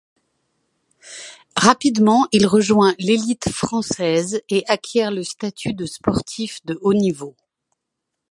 Rapidement il rejoint l’élite française et acquiert le statut de sportif de haut-niveau.